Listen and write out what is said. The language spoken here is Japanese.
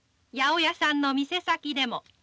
八百屋さんの店先でも。